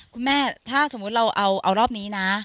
คุณแม่ถ้าสมมุติเราเอารอบนี้นะ